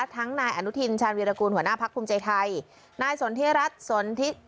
ทั้งนายอนุทินชานวีรกูลหัวหน้าภพภพุมใจไทยนายสนทรรศน์สนทรีเว้ห์เจียระวง